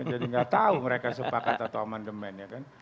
jadi gak tahu mereka sepakat atau amandemen ya kan